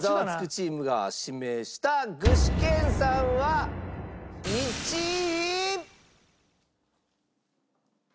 チームが指名した具志堅さんは１位。